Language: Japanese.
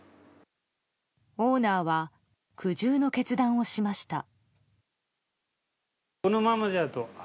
オーナーは苦渋の決断をしました。